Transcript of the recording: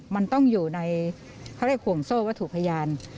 มันต้องอยู่ในเขาเรียกห่วงโซ่วัตถุพยาน